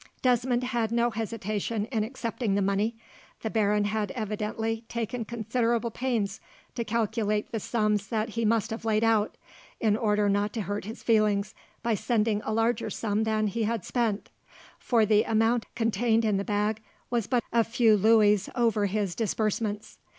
Desmond had no hesitation in accepting the money. The baron had evidently taken considerable pains to calculate the sums that he must have laid out, in order not to hurt his feelings by sending a larger sum than he had spent, for the amount contained in the bag was but a few louis over his disbursements.